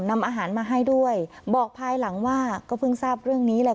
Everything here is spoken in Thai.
นำอาหารมาให้ด้วยบอกภายหลังว่าก็เพิ่งทราบเรื่องนี้แหละ